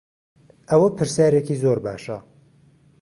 ئەوە پرسیارێکی زۆر باشە.